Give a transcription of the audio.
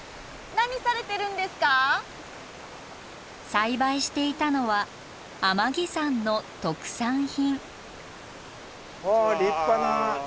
栽培していたのは天城山の特産品。